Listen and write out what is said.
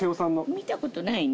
見たことないね。